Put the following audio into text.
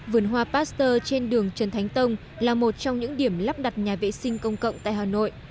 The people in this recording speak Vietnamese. vườn hoa pasteur trên đường trần thánh tông là một trong những điểm lắp đặt nhà vệ sinh công cộng tại hà nội